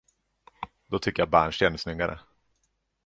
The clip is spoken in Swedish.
Då tycker jag bärnsten är snyggare.